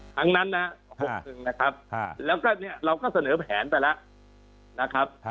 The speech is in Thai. ทั้งนั้นนะครับแล้วก็เนี่ยเราก็เสนอแผนไปละนะครับ